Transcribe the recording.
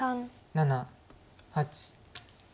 ７８。